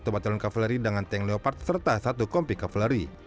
satu battlen kavaleri dengan tank leopard serta satu kompi kavaleri